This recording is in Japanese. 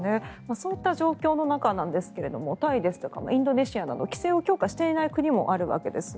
そういった状況の中ですがタイですとかインドネシアなど規制を強化していない国もあるわけです。